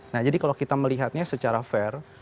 nah jadi kalau kita melihatnya secara fair